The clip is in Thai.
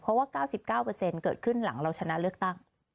เพราะว่าเก้าสิบเก้าเปอร์เซ็นต์เกิดขึ้นหลังเราชนะเลือกตั้ง